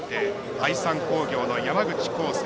愛三工業の山口浩勢。